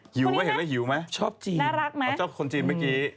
หิวไหมเห็นแล้วหิวไหมชอบจีนน่ารักไหมเขาชอบคนจีนเมื่อกี้